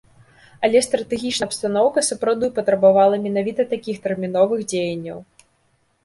Але стратэгічная абстаноўка сапраўды патрабавала менавіта такіх тэрміновых дзеянняў.